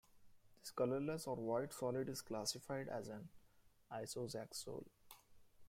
This colorless or white solid is classified as an isoxazole.